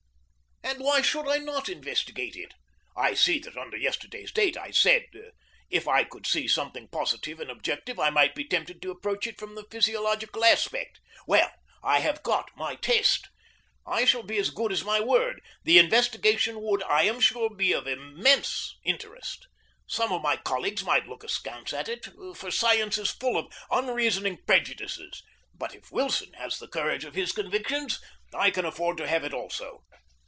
And why should I not investigate it? I see that under yesterday's date I said: "If I could see something positive and objective, I might be tempted to approach it from the physiological aspect." Well, I have got my test. I shall be as good as my word. The investigation would, I am sure, be of immense interest. Some of my colleagues might look askance at it, for science is full of unreasoning prejudices, but if Wilson has the courage of his convictions, I can afford to have it also.